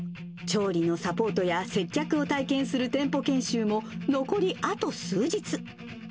調理のサポートや接客を体験する店舗研修も残りあと数日。